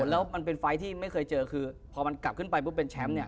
แล้วมันเป็นไฟล์ที่ไม่เคยเจอคือพอมันกลับขึ้นไปปุ๊บเป็นแชมป์เนี่ย